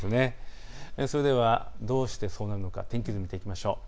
それではどうしてそうなるのか天気図、見ていきましょう。